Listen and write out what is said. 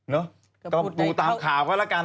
เนอะก็ดูตามข่าวก็แล้วกัน